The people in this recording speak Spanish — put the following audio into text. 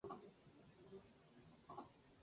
Es un hombre que difícilmente expresa sus sentimientos.